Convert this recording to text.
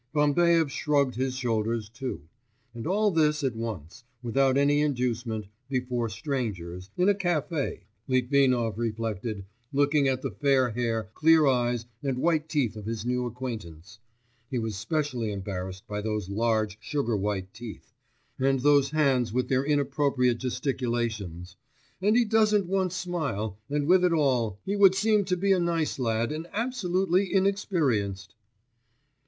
Bambaev shrugged his shoulders too. 'And all this at once, without any inducement, before strangers, in a café' Litvinov reflected, looking at the fair hair, clear eyes, and white teeth of his new acquaintance (he was specially embarrassed by those large sugar white teeth, and those hands with their inappropriate gesticulations), 'and he doesn't once smile; and with it all, he would seem to be a nice lad, and absolutely inexperienced.